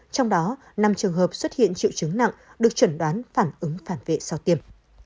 trong đó năm trường hợp xuất hiện triệu chứng nặng được chuẩn đoán phản ứng phản vệ sau tiêm